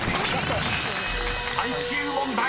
［最終問題］